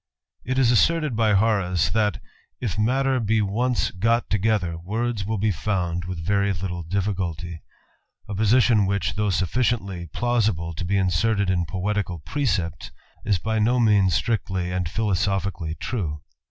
It is asserted by Horace, that " if matter be once go " together, words will be found with very little difficulty ; a position whicli, though sufficiently plausible to be inserts in poetical precepts, is by no means strictly and philc sophically true.